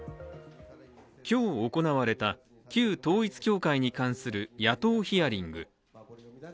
今日行われた旧統一教会に関する野党ヒアリング。